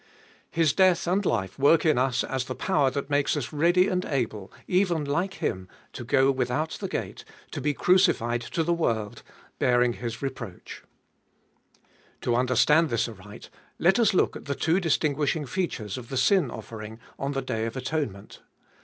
His death and life work in us as the power that makes us ready and able, even like Him, to go without the gate, to be crucified to the world, bearing his reproach. Cbe Iboliest ot Ell 531 To understand this aright, let us look at the two distinguish ing features of the sin offering on the day of atonement.